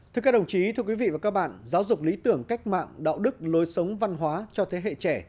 thưa các đồng chí thưa quý vị và các bạn giáo dục lý tưởng cách mạng đạo đức lối sống văn hóa cho thế hệ trẻ